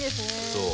そう。